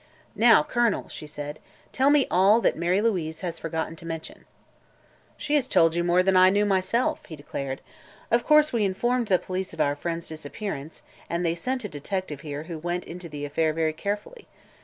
"Now, Colonel," she said, "tell me all that Mary Louise has forgotten to mention." "She has told you more than I knew myself," he declared. "Of course we informed the police of our friend's disappearance and they sent a detective here who went into the affair very carefully.